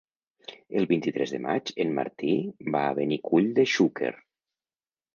El vint-i-tres de maig en Martí va a Benicull de Xúquer.